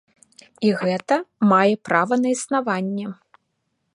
І гэта мае права на існаванне.